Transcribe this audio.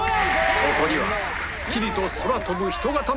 そこにはくっきりと空飛ぶ人型の姿が！